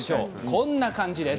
こんな感じです。